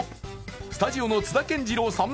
スタジオの津田健次郎さん